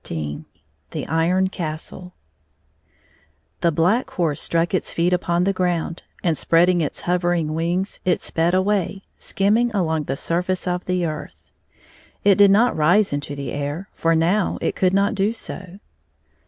xin The Iron Castle THE Black Horse struck its feet upon the ground, and spreading its hovering wings, it sped away, skimming along the surface of the earth. It did not rise into the air, for now it could not do so.